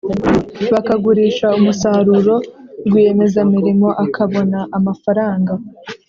bakagurisha umusaruro, rwiyemezamirimo akabona amafaranga